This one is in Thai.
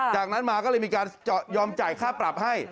จากนั้นมาก็เลยมีการยอมจ่ายค่าปรับให้